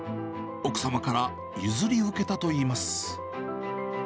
奥様から譲り受けたといいます。